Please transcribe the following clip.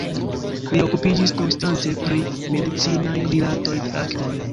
Li okupiĝis konstante pri medicinaj rilatoj de akvoj.